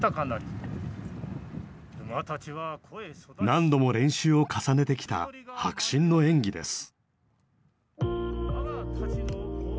何度も練習を重ねてきた迫真の演技です。